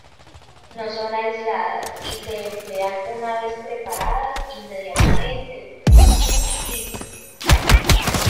No son aisladas y se emplean una vez preparadas inmediatamente "in situ".